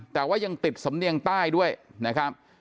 แต่ว่ายังติดสำเนียงใต้ด้วยนะครับ